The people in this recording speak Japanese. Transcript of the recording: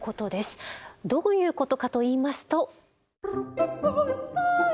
どういうことかといいますと。